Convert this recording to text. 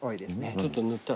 ちょっと塗ったら？